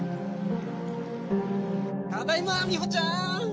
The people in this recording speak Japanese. ただいまみほちゃん！